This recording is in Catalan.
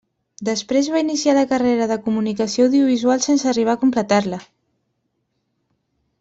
Després va iniciar la carrera de Comunicació Audiovisual sense arribar a completar-la.